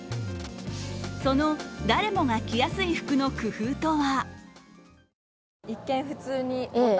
その誰もが着やすい服の工夫とは？